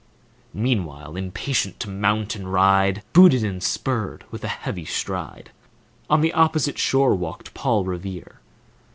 Meanwhile, impatient to mount and ride, Booted and spurred, with a heavy stride On the opposite shore walked Paul Revere.